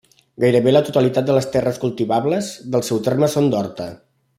Gairebé la totalitat de les terres cultivables del seu terme són d'horta.